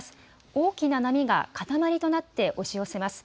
大きな波が塊となって押し寄せます。